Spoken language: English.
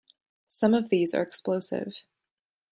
Some of these are explosive.